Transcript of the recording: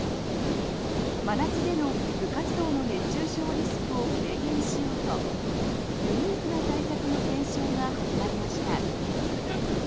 真夏での部活動の熱中症リスクを軽減しようとユニークな対策の検証が始まりました。